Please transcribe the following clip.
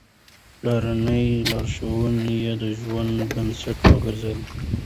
پلارنۍ لارښوونې يې د ژوند بنسټ وګرځېدې.